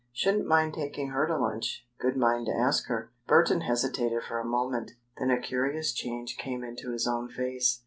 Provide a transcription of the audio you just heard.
"Shouldn't mind taking her to lunch. Good mind to ask her." Burton hesitated for a moment. Then a curious change came into his own face.